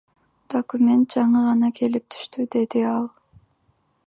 Документ жаңы гана келип түштү, — деди ал.